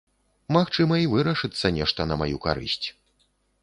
Магчыма, і вырашыцца нешта на маю карысць.